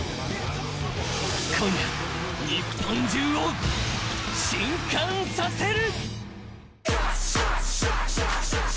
今や日本中を震撼させる。